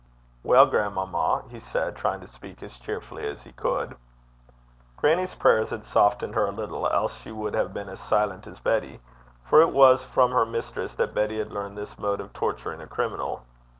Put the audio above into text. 'Well, grandmamma,' he said, trying to speak as cheerfully as he could. Grannie's prayers had softened her a little, else she would have been as silent as Betty; for it was from her mistress that Betty had learned this mode of torturing a criminal.